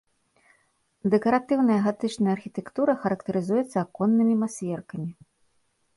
Дэкаратыўная гатычная архітэктура характарызуецца аконнымі масверкамі.